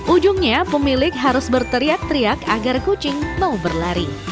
ujungnya pemilik harus berteriak teriak agar kucing mau berlari